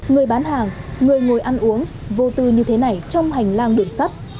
người bán hàng người ngồi ăn uống vô tư như thế này trong hành lang đường sắt